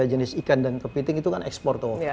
jenis ikan dan kepiting itu kan ekspor tuh